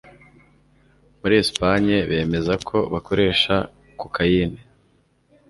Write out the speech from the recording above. muri esipanye bemeza ko bakoresha kokayine